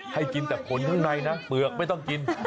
ให้กินแต่ผลข้างในนะเปลือกไม่ต้องกิน